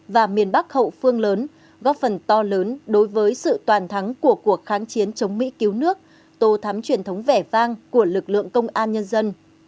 và miền bắc hậu phương lớn góp phần to lớn đối với sự toàn thắng của cuộc kháng chiến chống mỹ cứu nước tô thắm truyền thống vẻ vang của lực lượng công an nhân dân